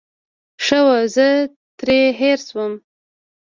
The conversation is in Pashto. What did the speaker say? ښه وو، زه ترې هېر شوم.